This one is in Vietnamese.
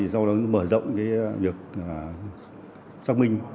sau đó mở rộng việc xác minh